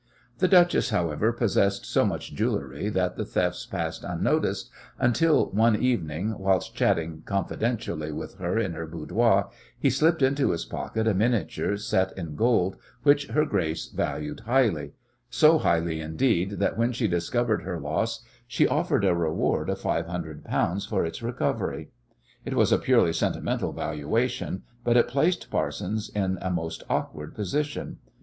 The duchess, however, possessed so much jewellery that the thefts passed unnoticed until one evening, whilst chatting confidentially with her in her boudoir, he slipped into his pocket a miniature set in gold, which her Grace valued highly so highly, indeed, that when she discovered her loss she offered a reward of five hundred pounds for its recovery. It was a purely sentimental valuation, but it placed Parsons in a most awkward position.